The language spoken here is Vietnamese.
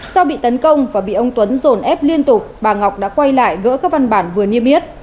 sau bị tấn công và bị ông tuấn dồn ép liên tục bà ngọc đã quay lại gỡ các văn bản vừa niêm yết